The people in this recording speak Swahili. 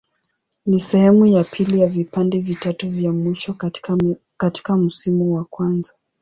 Ni sehemu ya pili ya vipande vitatu vya mwisho katika msimu wa kwanza.